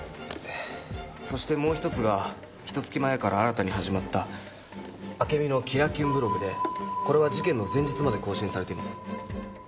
そしてもう１つがひと月前から新たに始まった「あけみのキラキュンブログ」でこれは事件の前日まで更新されています。